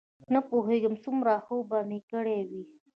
نه پوهېږم څومره خوب به مې کړی وي.